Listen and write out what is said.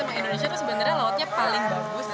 sama indonesia itu sebenarnya lautnya paling bagus